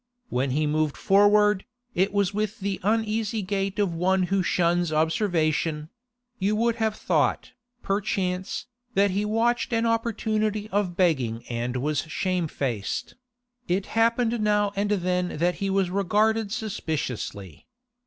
When he moved forward, it was with the uneasy gait of one who shuns observation; you would have thought, perchance, that he watched an opportunity of begging and was shamefaced: it happened now and then that he was regarded suspiciously.